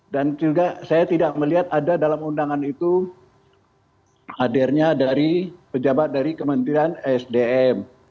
dan juga saya tidak melihat ada dalam undangan itu hadirnya dari pejabat dari kementerian sdm